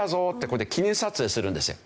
ここで記念撮影するんですよ。